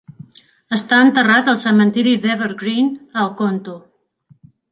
Està enterrat al cementiri d'Evergreen, a Oconto.